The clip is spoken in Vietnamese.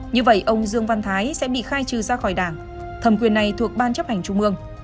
như vậy ông dương văn thái sẽ bị khai trừ ra khỏi đảng thầm quyền này thuộc ban chấp hành trung ương